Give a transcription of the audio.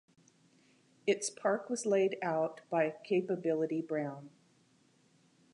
Its park was laid out by Capability Brown.